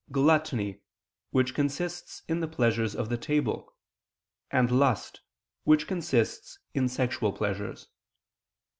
gluttony, which consists in the pleasures of the table; and lust, which consists in sexual pleasures.